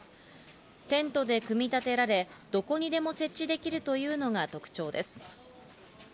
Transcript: テントで組み立てられ、どこにでも設置できるというのが特徴です。